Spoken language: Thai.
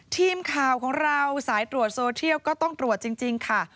ทีมข่าวของเราสายตรวจโซเทียลก็ต้องตรวจจริงค่ะ